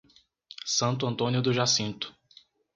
Santo Antônio do Jacinto